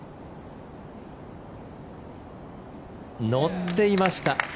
乗っていました。